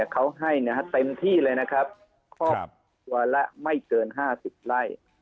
เขาให้เต็มที่เลยนะครับครอบวันละไม่เกิน๕๐ไร่